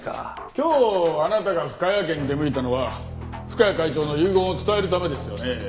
今日あなたが深谷家に出向いたのは深谷会長の遺言を伝えるためですよね？